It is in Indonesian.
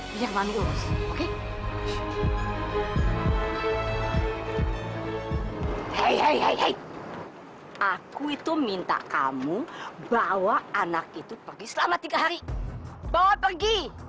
biar mami urusin oke hei hei aku itu minta kamu bawa anak itu pergi selama tiga hari bawa pergi